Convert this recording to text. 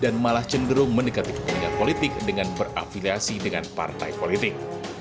dan malah cenderung mendekati kepentingan politik dengan berafiliasi dengan partai politik